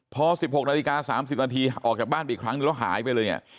พอ๑๖นาฬิกา๓๐นาทีออกจากบ้านไปอีกครั้งหนึ่งแล้วหายไปเลยเนี่ย